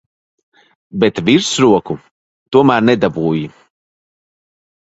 Bet virsroku tomēr nedabūji.